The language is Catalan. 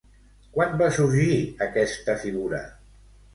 Quan va sorgir aquesta figura?